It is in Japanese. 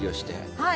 はい。